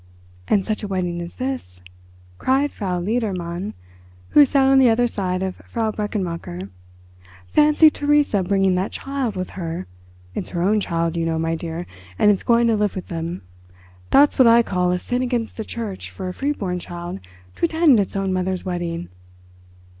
"And such a wedding as this," cried Frau Ledermann, who sat on the other side of Frau Brechenmacher. "Fancy Theresa bringing that child with her. It's her own child, you know, my dear, and it's going to live with them. That's what I call a sin against the Church for a free born child to attend its own mother's wedding."